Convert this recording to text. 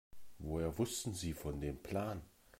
Woher wussten Sie von dem Plan?